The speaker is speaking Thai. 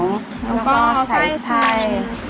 แล้วก็ใส่